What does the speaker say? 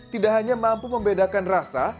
tidak hanya mampu membedakan rasa